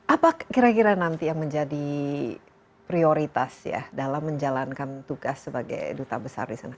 apa kira kira nanti yang menjadi prioritas ya dalam menjalankan tugas sebagai duta besar di sana